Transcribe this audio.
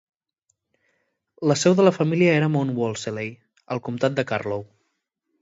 La seu de la família era Mount Wolseley, al comtat de Carlow.